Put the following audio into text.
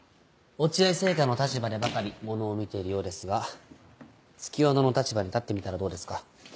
落合製菓の立場でばかりものを見ているようですが月夜野の立場に立ってみたらどうですか。